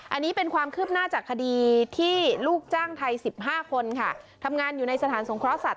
อันนี้เป็นความคืบหน้าจากคดีที่ลูกจ้างไทย๑๕คนค่ะทำงานอยู่ในสถานสงเคราะสัต